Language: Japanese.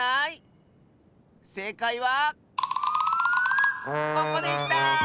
せいかいはここでした！